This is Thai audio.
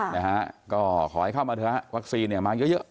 นะฮะก็ขอให้เข้ามาเถอะฮะวัคซีนเนี่ยมาเยอะเยอะ